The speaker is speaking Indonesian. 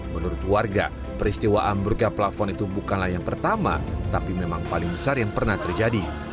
menurut warga peristiwa ambruknya plafon itu bukanlah yang pertama tapi memang paling besar yang pernah terjadi